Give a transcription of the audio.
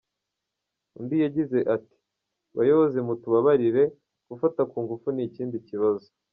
Undi yagize ati " Bayobozi mutubabarire, gufata ku ngufu ni ikindi kibazo.